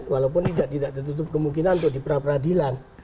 walaupun tidak tertutup kemungkinan untuk diperapradilan